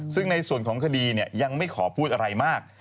ซึ่งในส่วนของคดียังไม่ขอพูดอะไรมาก